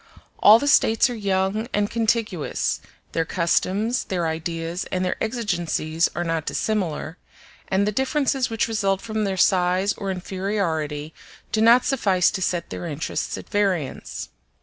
All the States are young and contiguous; their customs, their ideas, and their exigencies are not dissimilar; and the differences which result from their size or inferiority do not suffice to set their interests at variance.